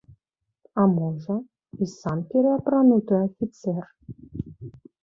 А можа, і сам пераапрануты афіцэр?